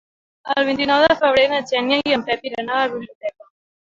El vint-i-nou de febrer na Xènia i en Pep iran a la biblioteca.